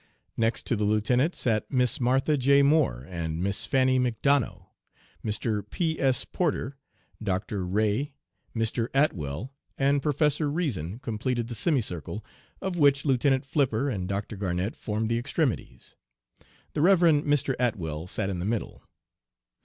Next to the Lieutenant sat Miss Martha J. Moore and Miss Fanny McDonough, Mr. P. S. Porter, Dr. Ray, Mr. Atwell, and Professor Reason completed the semicircle, of which Lieutenant Flipper and Dr. Garnett formed the extremities. The Rev. Mr. Atwell sat in the middle.